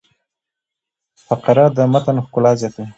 فقره د متن ښکلا زیاتوي.